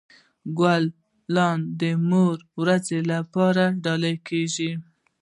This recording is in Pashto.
ګلان د مور ورځ لپاره ډالۍ کیږي.